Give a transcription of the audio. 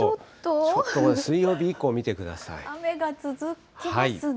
ちょっと水曜日以降見てくだ雨が続きますね。